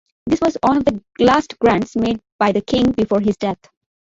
This was one of the last grants made by the king before his death.